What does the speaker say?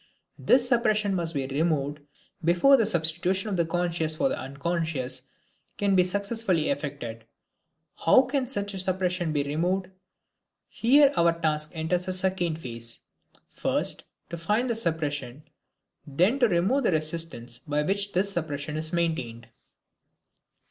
This suppression must be removed before the substitution of the conscious for the unconscious can be successfully effected. How can such a suppression be removed? Here our task enters a second phase. First to find the suppression, then to remove the resistance by which this suppression is maintained.